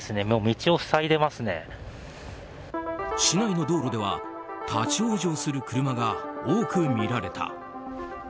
市内の道路では立ち往生する車が多く見られた。